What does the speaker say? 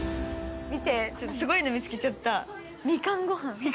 見て、すごいの見つけちゃった。